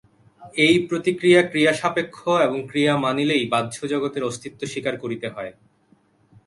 এই প্রতিক্রিয়া ক্রিয়া-সাপেক্ষ এবং ক্রিয়া মানিলেই বাহ্য জগতের অস্তিত্ব স্বীকার করিতে হয়।